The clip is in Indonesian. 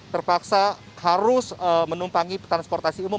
terpaksa harus menumpangi transportasi umum